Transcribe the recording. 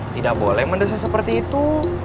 tidak boleh mendesak seperti itu